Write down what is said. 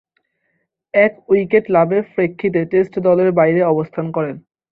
এক উইকেট লাভের প্রেক্ষিতে টেস্ট দলের বাইরে অবস্থান করেন।